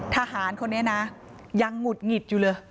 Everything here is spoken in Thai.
ทหารคนนี้นะยังหงุดหงิดอยู่เลย